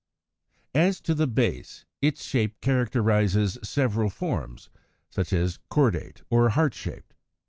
=As to the Base=, its shape characterizes several forms, such as Cordate or Heart shaped (Fig.